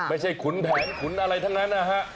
ขุนแผนขุนอะไรทั้งนั้นนะฮะ